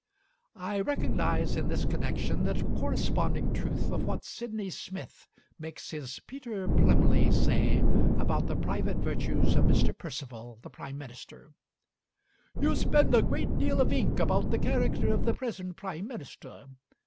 I recognize in this connection the corresponding truth of what Sydney Smith makes his Peter Plymley say about the private virtues of Mr. Perceval, the Prime Minister: "You spend a great deal of ink about the character of the present Prime Minister.